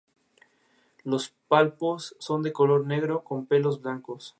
Los palpos son de color negro con pelos blancos.